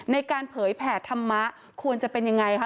ในการเผยแผ่ธรรมะควรจะเป็นยังไงคะ